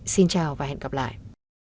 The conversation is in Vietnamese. xin chào và hẹn gặp lại